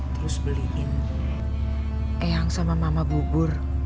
terus beliin eyang sama mama bubur